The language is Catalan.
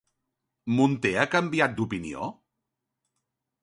Munté ha canviat d'opinió?